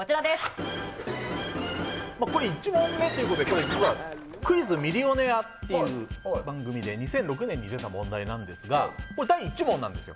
１問目ということで実は「クイズ＄ミリオネア」という番組で２００６年に出た問題なんですが第１問なんですよ。